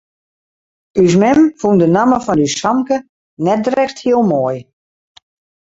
Us mem fûn de namme fan ús famke net drekst hiel moai.